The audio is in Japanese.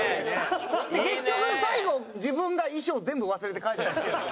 結局最後自分が衣装全部忘れて帰ってましたけど。